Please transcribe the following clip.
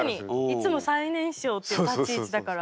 いつも最年少って立ち位置だから。